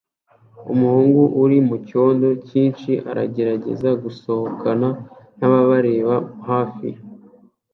Umuhungu uri mucyondo cyinshi aragerageza gusohokana nababareba hafi